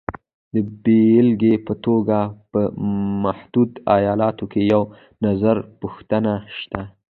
د بېلګې په توګه په متحده ایالاتو کې یو نظرپوښتنه شته